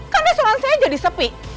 kan restoran saya jadi sepi